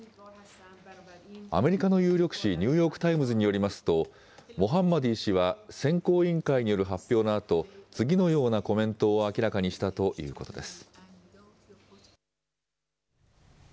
アメリカの有力紙、ニューヨーク・タイムズによりますと、モハンマディ氏は選考委員会による発表のあと、次のようなコメントを明らかにしたということです。